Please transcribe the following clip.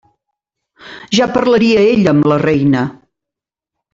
Ja parlaria ella amb la reina.